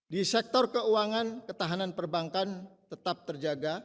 di sektor keuangan ketahanan perbankan tetap terjaga